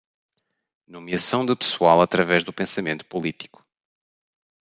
Nomeação de pessoal através do pensamento político